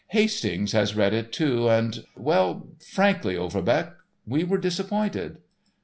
"Hastings has read it, too—and—well, frankly, Overbeck, we were disappointed."